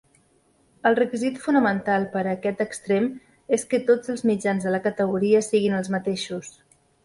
El requisit fonamental per a aquest extrem és que tots els mitjans de la categoria siguin els mateixos.